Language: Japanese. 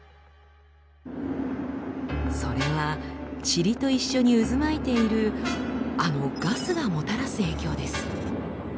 それはチリと一緒に渦巻いているあのガスがもたらす影響です。